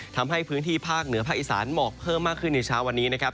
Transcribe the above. ทำให้พื้นที่ภาคเหนือภาคอีสานหมอกเพิ่มมากขึ้นในเช้าวันนี้นะครับ